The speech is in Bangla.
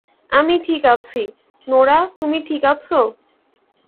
আমি ঠিক আছি - নোরা, তুমি ঠিক আছো?